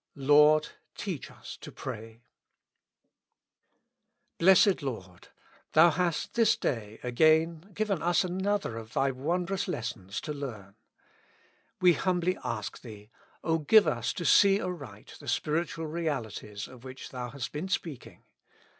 "Lord, teach us to pray." Blessed Lord ! Thou hast this day again given us another of Thy wondrous lessons to learn. We humbly ask Thee, O give us to see aright the spiritual realities of which Thou hast been speaking.